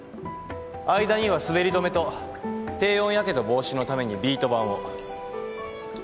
間には滑り止めと低温やけど防止のためにビート板を。